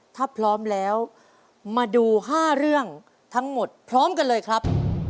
ถ้าพร้อมแล้วมาดู๕เรื่องทั้งหมดพร้อมกันเลยครับ